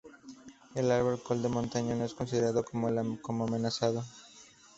El árbol col de montaña no es considerado como amenazado.